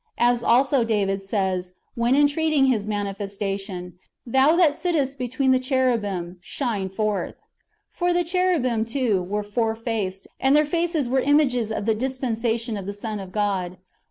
As also David says, wdien entreating His manifestation, " Thou that sittest between the cherubim, shine forth." ^ For the cherubim, too, were four faced, and their faces w^ere images of the dispensation of the Son of God.